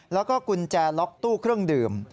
แล้วก็กุญแจล็อกตู้เครื่องดื่ม